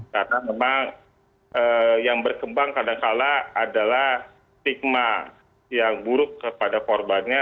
karena memang yang berkembang kadangkala adalah stigma yang buruk kepada korbannya